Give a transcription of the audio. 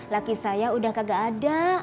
laki saya udah kagak ada